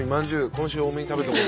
今週多めに食べとこう。